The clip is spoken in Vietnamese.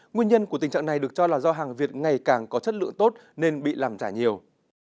nguyên nhân của tình trạng này được cho là do hàng việt ngày càng có chất lượng tốt nên bị làm trả nhiều